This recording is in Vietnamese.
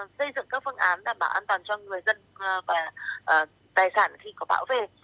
xây dựng các phương án đảm bảo an toàn cho người dân và tài sản khi có bão về